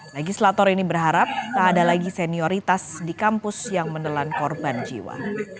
legislator ini berharap tak ada lagi senioritas di kampus yang menelan korban jiwa